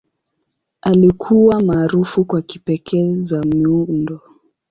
Alikuwa maarufu kwa kipekee za miundo.